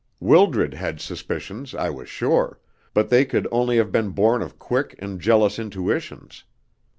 Wildred had suspicions, I was sure, but they could only have been born of quick and jealous intuitions.